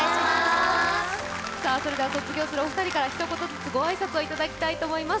それでは卒業するお二人から一言ずつご挨拶をいただきたいと思います。